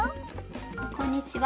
こんにちは。